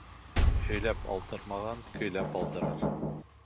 Һөйләп алдырмаған көйләп алдырыр